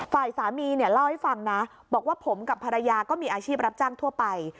ฝ่ายสามีเนี่ยเล่าให้ฟังนะบอกว่าผมกับภรรยาก็มีอาชีพรับจ้างทั่วไป